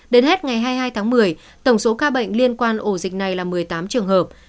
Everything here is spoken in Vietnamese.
đến hết ngày hai mươi hai tháng một mươi tổng số ca bệnh liên quan ổ dịch này là một mươi tám trường hợp